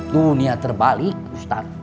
dunia terbalik ustadz